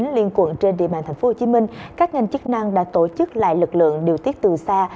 liên quận trên địa bàn tp hcm các ngành chức năng đã tổ chức lại lực lượng điều tiết từ xa